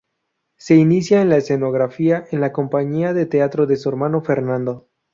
Se inicia en la escenografía en la compañía de teatro de su hermano Fernando.